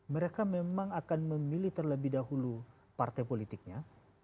mereka memang akan memilih terlebih dahulu partai politiknya